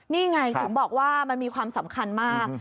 นี่ไงถึงบอกว่ามันมีความสำคัญมาก